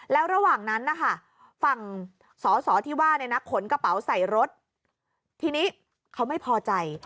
แล้วระหว่างนั้นฝั่งสที่ว่าขนกระเป๋าใส่รถทีนี้เขาไม่พอใจ